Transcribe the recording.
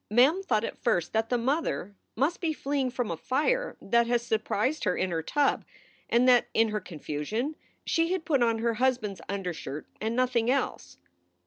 Mem thought at first that the mother must be fleeing from a fire that had surprised her in her tub, and that in her confusion she had put on her hus band s undershirt and nothing else.